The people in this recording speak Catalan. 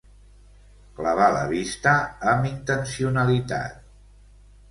Clavar la vista amb intencionalitat.